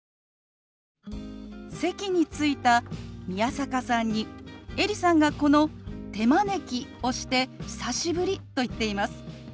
席に着いた宮坂さんにエリさんがこの「手招き」をして「久しぶり」と言っています。